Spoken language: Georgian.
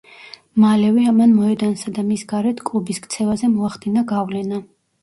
მალევე ამან მოედანსა და მის გარეთ კლუბის ქცევაზე მოახდინა გავლენა.